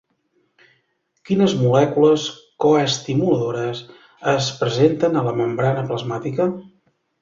Quines molècules coestimuladores es presenten a la membrana plasmàtica?